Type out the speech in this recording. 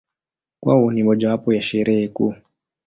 Kwao ni mojawapo ya Sherehe kuu.